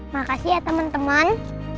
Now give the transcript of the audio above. makasih ya teman teman